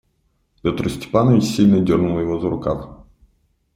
Петр Степанович сильно дернул его за рукав.